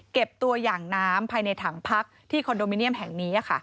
เก็บตัวอย่างน้ำภายในถังพักที่คอนโดมิเนียมแห่งนี้